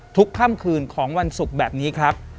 ค่ำคืนของวันศุกร์แบบนี้ครับ